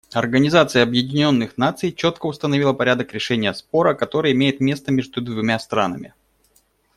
Организация Объединенных Наций четко установила порядок решения спора, который имеет место между двумя странами.